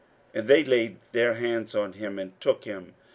41:014:046 And they laid their hands on him, and took him.